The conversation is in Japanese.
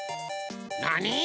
なに？